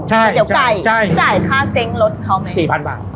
ใช่แต่เดี๋ยวไก่ใช่จ่ายค่าเซ็งรถเขาไหมสี่พันบาท